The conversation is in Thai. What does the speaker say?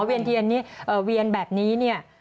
อ๋อเวียนเทียนนี้เวียนแบบนี้เนี่ย